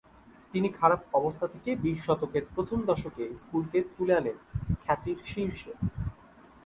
তিনি খারাপ অবস্থা থেকে বিশ শতকের প্রথম দশকে স্কুলকে তুলে আনেন খ্যাতির শীর্ষে।